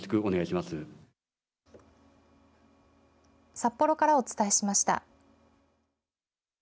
札幌からお伝えしました。